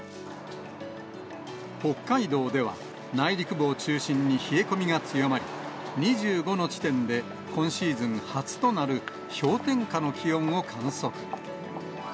北海道では、内陸部を中心に冷え込みが強まり、２５の地点で今シーズン初となる氷点下の気温を観測。